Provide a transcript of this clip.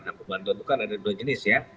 nah pembantuan itu kan ada dua jenis ya